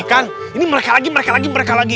kan ini mereka lagi mereka lagi mereka lagi